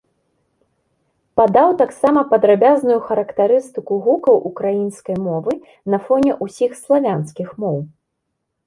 Падаў таксама падрабязную характарыстыку гукаў украінскай мовы на фоне ўсіх славянскіх моў.